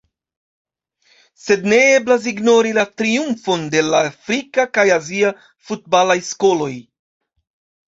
Sed ne eblas ignori la triumfon de la afrika kaj azia futbalaj skoloj.